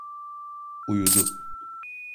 Uyudu.